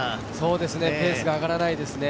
ペースが上がらないですね。